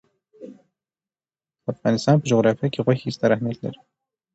د افغانستان په جغرافیه کې غوښې ستر اهمیت لري.